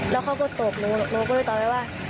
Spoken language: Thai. แล้วเขาก็ตบหนูหนูก็เลยตอบไปว่า